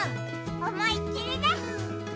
おもいっきりね！